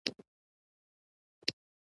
په هغه وخت کې موسیقي چندانې ډېره نه وه.